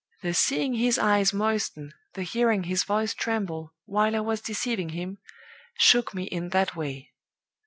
the seeing his eyes moisten, the hearing his voice tremble, while I was deceiving him, shook me in that way.